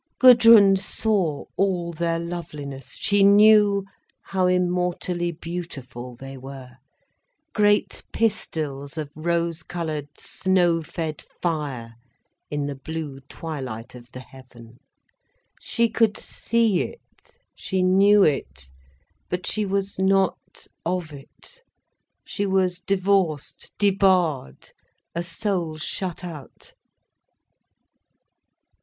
Gudrun saw all their loveliness, she knew how immortally beautiful they were, great pistils of rose coloured, snow fed fire in the blue twilight of the heaven. She could see it, she knew it, but she was not of it. She was divorced, debarred, a soul shut out.